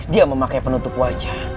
dia memakai penutup wajah